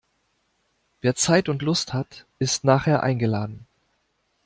Wer Zeit und Lust hat, ist nachher eingeladen.